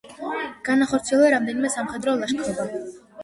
განახორციელა რამდენიმე სამხედრო ლაშქრობა.